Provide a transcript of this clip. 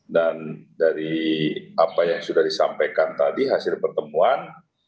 dan dari apa yang sudah disampaikan tadi hasil pertemuan